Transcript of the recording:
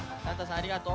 ありがとう。